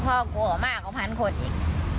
ครอบครัวมากกว่าพันคนอีก